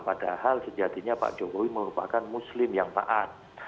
padahal sejatinya pak jokowi merupakan muslim yang taat